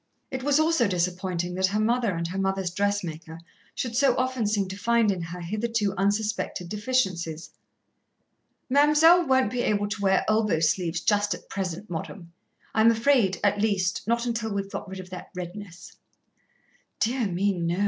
It was also disappointing that her mother and her mother's dressmaker should so often seem to find in her hitherto unsuspected deficiencies. "Mam'selle won't be able to wear elbow sleeves just at present, Móddam, I'm afraid at least, not until we've got rid of that redness." "Dear me, no!